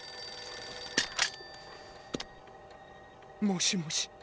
☎もしもし。